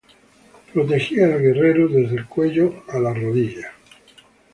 Protegía al guerrero desde el cuello a las rodillas.